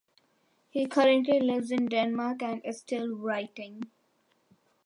He currently lives in Denmark and is still writing.